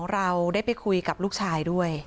เราได้ไปคุยกับลูกชายด้วย